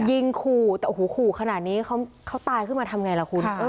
ยิงขู่แต่ขั่วหูขื่นขนาดนี้เค้าตายขึ้นมาทำไงล่ะ